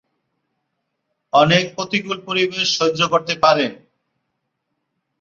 অনেক প্রতিকূল পরিবেশ সহ্য করতে পারে।